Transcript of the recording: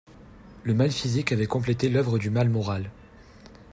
Le mal physique avait complété l'oeuvre du mal moral.